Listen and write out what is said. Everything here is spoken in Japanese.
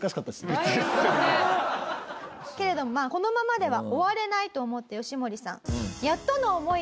けれどもまあこのままでは終われないと思ってヨシモリさん。